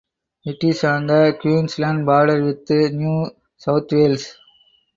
It is on the Queensland border with New South Wales.